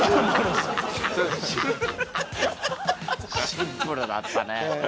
シンプルだったね。